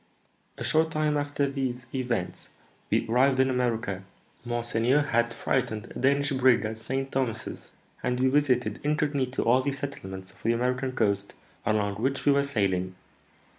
"A short time after these events we arrived in America. Monseigneur had freighted a Danish brig at St. Thomas's, and we visited incognito all the settlements of the American coast along which we were sailing.